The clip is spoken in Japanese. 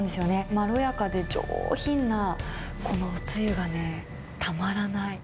まろやかで上品なこのおつゆがね、たまらない。